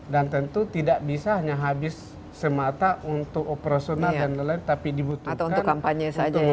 dan tentu tidak bisa hanya habis semata untuk operasional dan lain lain tapi dibutuhkan untuk membangun